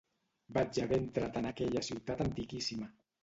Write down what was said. Vaig haver entrat en aquella ciutat antiquíssima